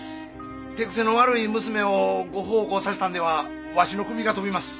手癖の悪い娘を御奉公させたんではわしの首が飛びます。